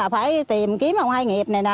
chính quyền là phải tìm kiếm ông hai nghiệp này nè